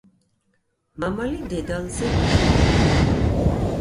მამალი დედალზე დიდია.